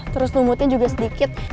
terus lumutnya juga sedikit